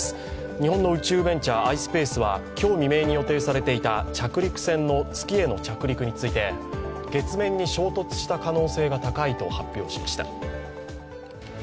日本の宇宙ベンチャーｉｓｐａｃｅは今日未明に予定されていた着陸船の月への着陸について月面に衝突した可能性が高いと発表しました。